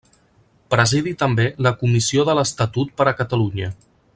Presidi també la Comissió de l'Estatut per a Catalunya.